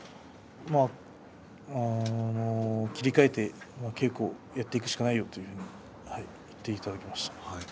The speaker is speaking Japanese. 切り替えて稽古をやっていくしかないよと言っていただきました。